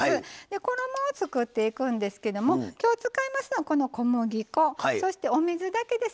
衣を作っていくんですけどきょう使いますのは小麦粉そして、お水だけです。